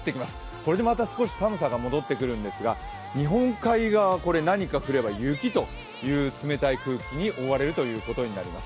これでまた少し寒さが戻ってくるんですが、日本海側は何か降れば雪という冷たい空気に覆われることになります。